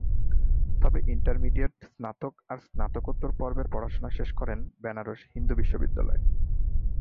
তবে ইন্টারমিডিয়েট, স্নাতক আর স্নাতকোত্তর পর্বের পড়াশোনা শেষ করেন বেনারস হিন্দু বিশ্ববিদ্যালয়ে।